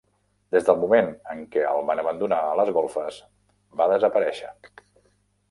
Des del moment en què el van abandonar a les golfes, va desaparèixer.